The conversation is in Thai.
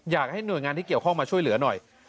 อยากให้หน่วยงานที่เกี่ยวข้องมาช่วยเหลือหน่อย